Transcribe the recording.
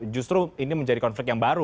justru ini menjadi konflik yang baru